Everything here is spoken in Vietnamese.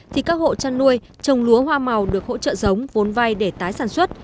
thì các hộ trăn nuôi trồng lúa hoa màu được hỗ trợ giống vốn vai để tái sản xuất